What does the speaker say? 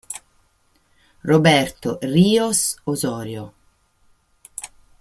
Roberto Ríos Osorio